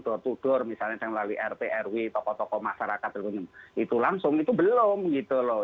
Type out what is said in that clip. door to door misalnya yang melalui rprw toko toko masyarakat itu langsung itu belum gitu loh